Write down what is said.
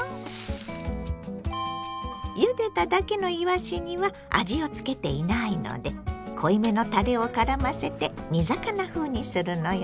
ゆでただけのいわしには味をつけていないので濃いめのたれをからませて煮魚風にするのよ。